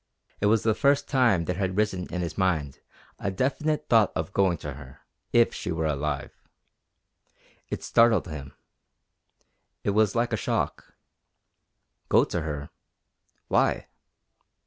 It was the first time there had risen in his mind a definite thought of going to her if she were alive. It startled him. It was like a shock. Go to her? Why?